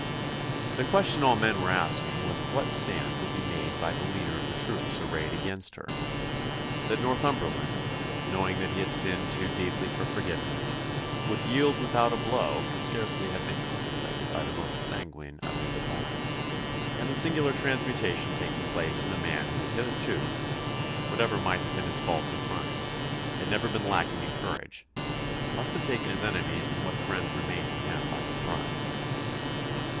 The question all men were asking was what stand would be made by the leader of the troops arrayed against her. That Northumberland, knowing that he had sinned too deeply for forgiveness, would yield without a blow can scarcely have been contemplated by the most sanguine of his opponents, and the singular transmutation taking place in a man who hitherto, whatever might have been his faults or crimes, had never been lacking in courage, must have taken his enemies and what friends remained to him by surprise.